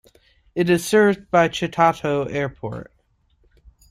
It is served by Chitato Airport.